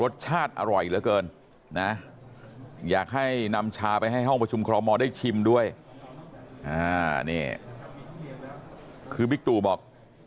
นี่รู้เลยใช่ไหมว่านายกบอก